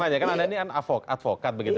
saya ingin tanya karena anda ini advokat begitu